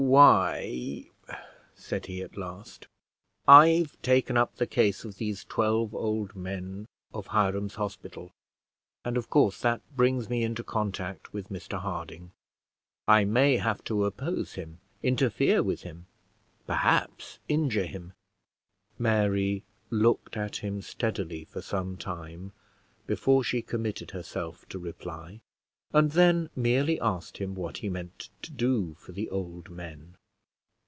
"Why," said he at last, "I've taken up the case of these twelve old men of Hiram's Hospital, and of course that brings me into contact with Mr Harding. I may have to oppose him, interfere with him, perhaps injure him." Mary looked at him steadily for some time before she committed herself to reply, and then merely asked him what he meant to do for the old men.